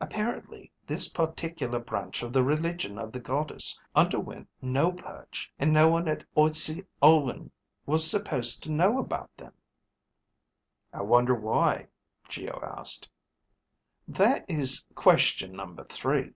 Apparently this particular branch of the religion of the Goddess underwent no purge. And no one at Olcse Olwnh was supposed to know about them." "I wonder why?" Geo asked. "That is question number three."